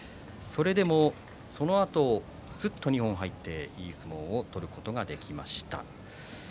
それでも、そのあとすっと二本入って、いい相撲を取ることができました。